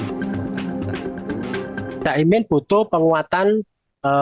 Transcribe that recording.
saat ini di jawa timur ada beberapa jaringan yang berasal dari jawa timur